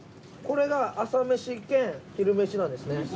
これが朝めし兼昼めしなんですね。